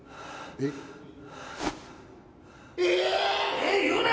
「ええ」言うな！